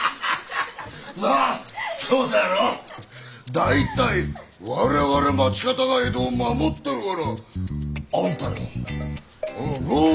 大体我々町方が江戸を守ってるから安泰なのだ。